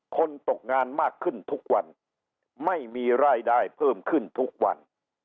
คนตกงานมากขึ้นทุกวันไม่มีรายได้เพิ่มขึ้นทุกวัน